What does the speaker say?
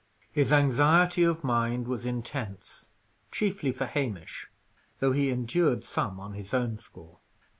His anxiety of mind was intense, chiefly for Hamish; though he endured some on his own score.